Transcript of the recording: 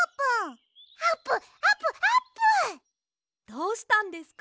どうしたんですか？